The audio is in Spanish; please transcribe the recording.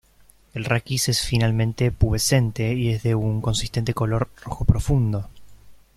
El raquis es finamente pubescente y es de un consistente color rojo profundo.